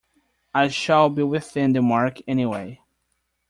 I shall be within the mark any way.